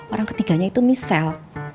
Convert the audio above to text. orang ketiganya itu misal